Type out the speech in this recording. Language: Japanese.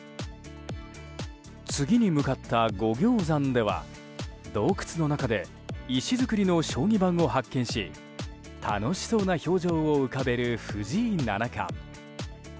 次に向かった五行山では洞窟の中で石づくりの将棋盤を発見し楽しそうな表情を浮かべる藤井七冠。